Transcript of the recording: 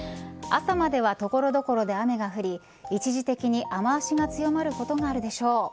朝までは所々で雨が降り一時的に雨脚が強まることがあるでしょう。